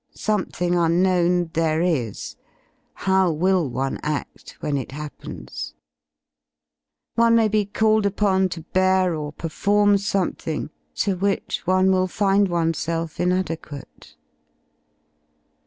Something unknown^ there is. How will one ad when it happens F"^ One mayTe* 68 f called upon to bear or perform something to which one will find oneself inadequate.